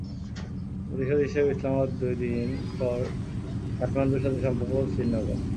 প্রতিশোধ হিসেবে ইসলামাবাদ দুই দিন পর কাঠমান্ডুর সাথে সম্পর্ক ছিন্ন করে।